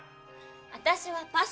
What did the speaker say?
私はパス。